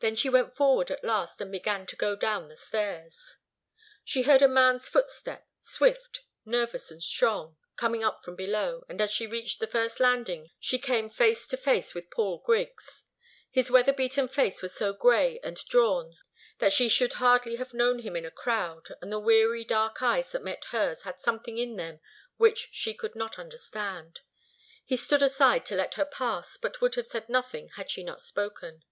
Then she went forward at last, and began to go down the stairs. She heard a man's footstep, swift, nervous and strong, coming up from below, and as she reached the first landing she came face to face with Paul Griggs. His weather beaten face was so grey and drawn that she should hardly have known him in a crowd, and the weary, dark eyes that met hers had something in them which she could not understand. He stood aside to let her pass, but would have said nothing had she not spoken.